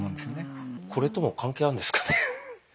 これとも関係あるんですかね。